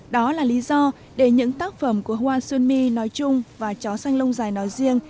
đó là lý do để những tác phẩm của hoàng xuân my nói chung và chó xanh lông giải nói riêng